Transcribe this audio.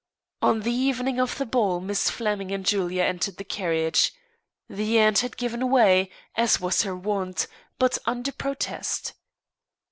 On the evening of the ball Miss Flemming and Julia entered the carriage. The aunt had given way, as was her wont, but under protest.